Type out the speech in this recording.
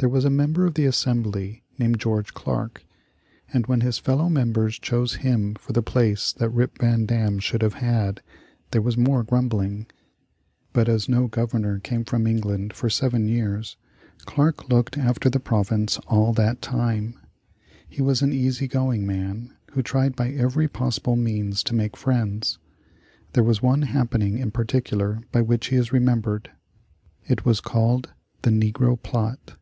There was a member of the Assembly named George Clarke, and when his fellow members chose him for the place that Rip Van Dam should have had, there was more grumbling. But as no Governor came from England for seven years, Clarke looked after the province all that time. He was an easy going man, who tried by every possible means to make friends. There was one happening in particular by which he is remembered. It was called the Negro Plot.